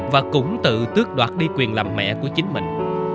và cũng tự tước đoạt đi quyền làm mẹ của chính mình